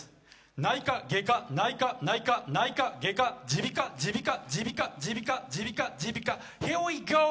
内科、外科、小児科、内科、外科、耳鼻科、耳鼻科、耳鼻科、耳鼻科耳鼻科、耳鼻科、ＨｅｒｅＷｅＧＯ！